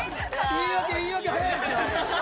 言い訳言い訳早いですよ。